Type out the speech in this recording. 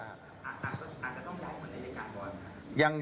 อาจจะต้องร้องคนในรายการบอล